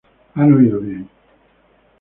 Han oído bien.